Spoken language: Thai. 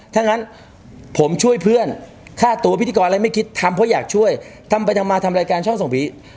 ถ้างั้นผมช่วยเพื่อนค่าตัวพิธีกรอะไรไม่คิดทำเพราะอยากช่วยทำไปทำมาทำรายการช่องส่องผี